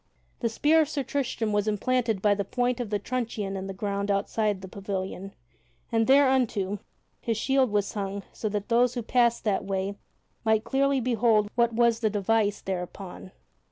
The spear of Sir Tristram was emplanted by the point of the truncheon in the ground outside the pavilion, and thereunto his shield was hung so that those who passed that way might clearly behold what was the device thereon.